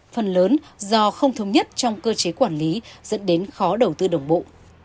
phần lớn do không thống nhất trong cơ chế quản lý dẫn đến khó đầu tư đồng bộ